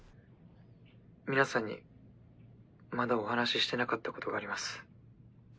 皆さんにまだお話ししてなかったことがあります。